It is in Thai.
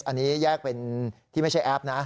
อันนี้แยกเป็นที่ไม่ใช่แอปนะ